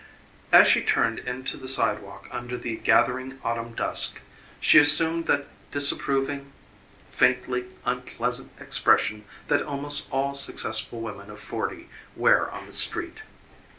As she turned into the sidewalk under the gathering autumn dusk she assumed that disapproving, faintly unpleasant expression that almost all successful women of forty wear on the street.